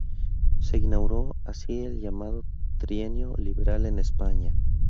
Se inauguró así el llamado Trienio Liberal en España.